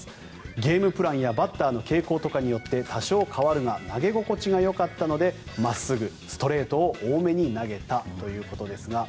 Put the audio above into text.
ゲームプランやバッターの傾向とかによって多少変わるが投げ心地がよかったので真っすぐ、ストレートを多めに投げたということですが